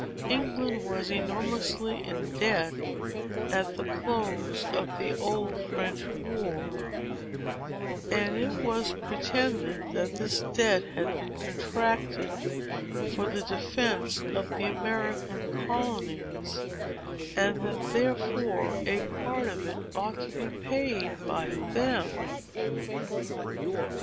England was enormously in debt, at the close of the Old French War, and it was pretended, that this debt had been contracted for the defence of the American colonies, and that therefore a part of it ought to be paid by them."